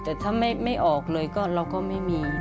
แต่ถ้าไม่ออกเลยก็เราก็ไม่มี